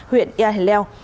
huyện nha hình leo